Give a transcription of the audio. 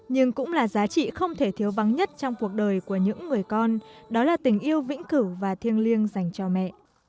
nhưng cũng là giá trị không thể thiếu vắng nhất trong cuộc đời của những người con đó là tình yêu vĩnh cửu và thiêng liêng dành cho mẹ